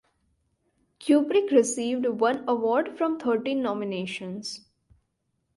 Kubrick received one award from thirteen nominations.